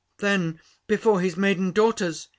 Then before his maiden daughters!